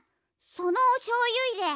そのおしょうゆいれ